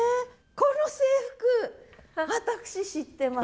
この制服私知ってます。